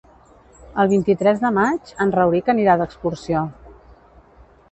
El vint-i-tres de maig en Rauric anirà d'excursió.